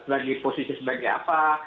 bagi posisi sebagai apa